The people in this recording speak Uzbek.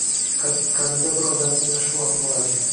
Qadimda bir odamning mashhur oti bo‘larkan